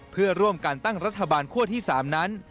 เพื่อร่วมการตั้งรัฐบาลคั่วที่๓นั้น